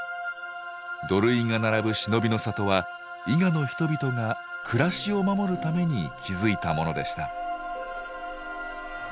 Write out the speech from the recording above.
土塁が並ぶ忍びの里は伊賀の人々が暮らしを守るために築いたものでした。